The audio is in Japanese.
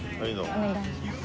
お願いします